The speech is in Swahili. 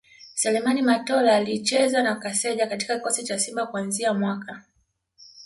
Seleman Matola Alicheza na Kaseja katika kikosi cha Simba kuanzia mwaka